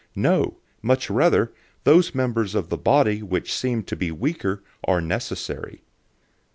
012:022 No, much rather, those members of the body which seem to be weaker are necessary.